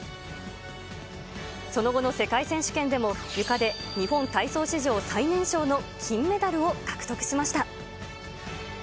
その後の世界選手権でも、ゆかで日本体操史上最年少の金メダルを獲得しました。